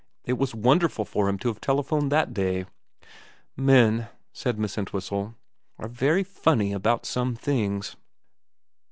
It was wonderful for him to have telephoned that day.' ' Men,' said Miss Entwhistle, ' are very funny about some things.'